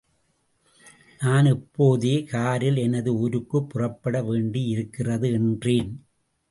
நான் இப்போதே காரில் எனது ஊருக்குப் புறப்பட வேண்டியிருக்கிறது என்றேன்.